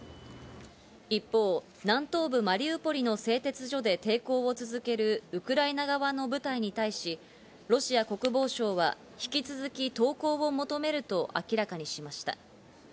一方、南東部マリウポリの製鉄所で抵抗を続けるウクライナ側の部隊に対し、ロシア国防省は引き続き、投降を求めると明らかにしました。